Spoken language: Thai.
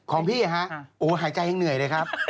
ของพี่โอ้หายใจยังเหนื่อยเลยครับ